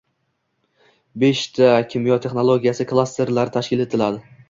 Beshta ta kimyo texnologiyasi klasterlari tashkil etiladi